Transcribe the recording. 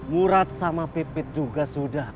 murat sama pipit juga sudah